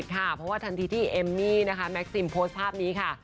ค่ะเพราะว่าทันทีที่เอมมี่นะคะแม็กซิมโพสต์ภาพนี้ค่ะ